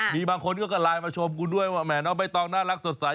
มีบางคนก็ไลน์มาชมกูด้วยว่าแหมน้องใบตองน่ารักสดใส